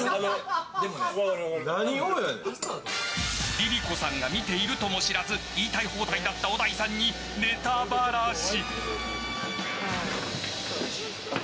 ＬｉＬｉＣｏさんが見ているとも知らず言いたい放題だった小田井さんにネタばらし。